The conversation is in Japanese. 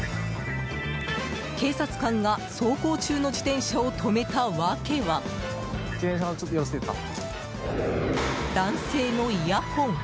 警察官が、走行中の自転車を止めた訳は男性のイヤホン。